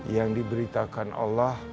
yang diberitakan allah